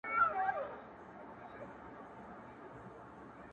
زما به پر قبر واښه وچ وي زه به تللی یمه!